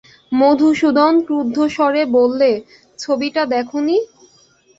মধুসূদন ক্রুদ্ধস্বরে বললে, ছবিটা দেখ নি!